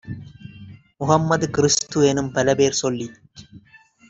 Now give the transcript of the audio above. கம்மது, கிறிஸ்து-எனும் பலபேர் சொல்லிச்